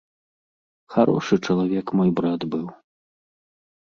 Харошы чалавек мой брат быў.